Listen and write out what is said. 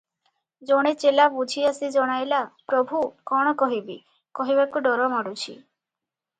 ଜଣେ ଚେଲା ବୁଝି ଆସି ଜଣାଇଲା, "ପ୍ରଭୁ! କଣ କହିବି, କହିବାକୁ ଡର ମାଡୁଛି ।